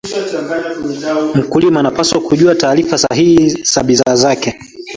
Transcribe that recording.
Mkulima anapaswa kujua taarifa sahihi ya bidhaa zake